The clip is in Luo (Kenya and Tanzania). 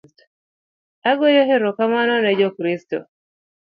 Agoyo erokamano ne jo Kristo